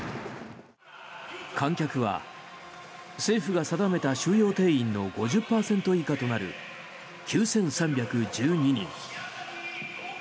観客は政府が定めている収容定員の５０％以下となる９３１２人。